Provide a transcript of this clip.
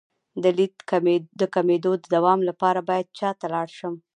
د لید د کمیدو د دوام لپاره باید چا ته لاړ شم؟